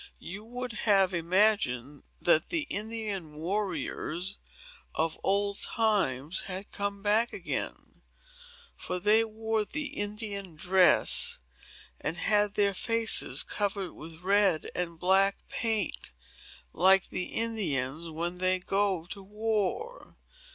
You would have imagined that the Indian warriors, of old times, had come back again; for they wore the Indian dress, and had their faces covered with red and black paint, like the Indians, when they go to war.